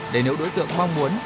để nếu đối tượng mong muốn